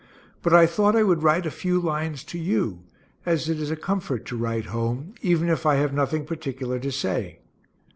But I thought I would write a few lines to you, as it is a comfort to write home, even if I have nothing particular to say.